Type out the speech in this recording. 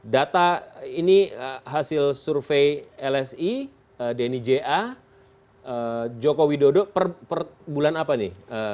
data ini hasil survei lsi denny ja jokowi dodo per bulan apa nih